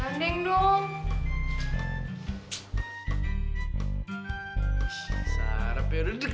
neng dandeng dong